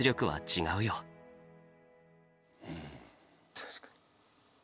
確かに。